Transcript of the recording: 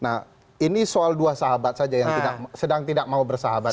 nah ini soal dua sahabat saja yang sedang tidak mau bersahabat